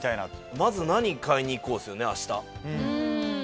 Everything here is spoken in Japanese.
まず何買いに行こうですよね明日。